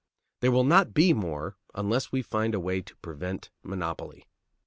There will not be more, unless we find a way to prevent monopoly.